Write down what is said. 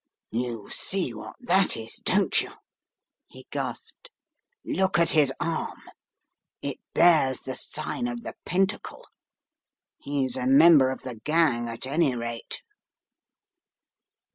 "You see what that is, don't you?" he gasped. "Look at his arm. It bears the sign of the pentafcle. He's a member of the gang, at any rate."